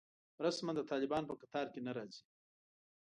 رسماً د طالبانو په کتار کې نه راځي.